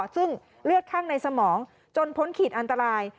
ซึ่งเลือดข้างในสมองจนพ้นขีดอันตราย